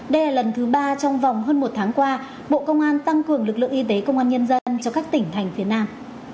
đây là lần thứ ba trong vòng hơn một tháng qua bộ công an tăng cường lực lượng y tế công an nhân dân cho các tỉnh thành phía nam